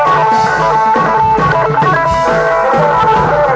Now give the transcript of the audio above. เพื่อรับความรับทราบของคุณ